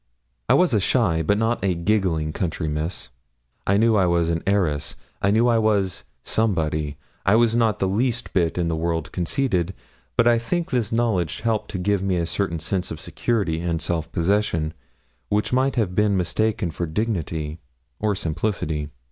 I was a shy, but not a giggling country miss. I knew I was an heiress; I knew I was somebody. I was not the least bit in the world conceited, but I think this knowledge helped to give me a certain sense of security and self possession, which might have been mistaken for dignity or simplicity.